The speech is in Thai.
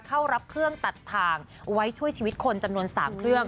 เข้ารับเครื่องตัดทางไว้ช่วยชีวิตคนจำนวน๓เครื่อง